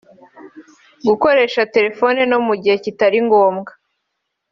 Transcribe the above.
Gukoresha telefoni no mu gihe kitari ngombwa